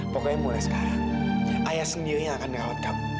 pocoknya mulai sekarang ayah sendiri yang akan ngawat kamu